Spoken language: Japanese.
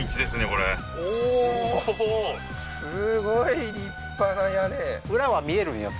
これおおーすごい立派な屋根裏は見えるんよ